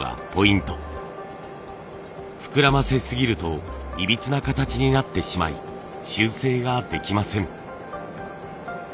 膨らませすぎるといびつな形になってしまい修正ができません。